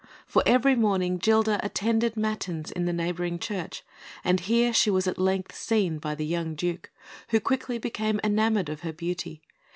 For every morning Gilda attended matins in the neighbouring church, and here she was at length seen by the young Duke, who quickly became enamoured of her beauty.